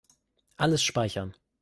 Alles speichern.